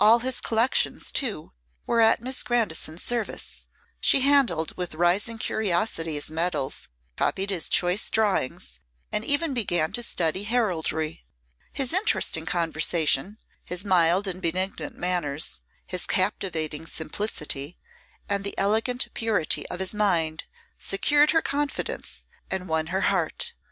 All his collections, too, were at Miss Grandison's service. She handled with rising curiosity his medals, copied his choice drawings, and even began to study heraldry. His interesting conversation, his mild and benignant manners, his captivating simplicity, and the elegant purity of his mind, secured her confidence and won her heart.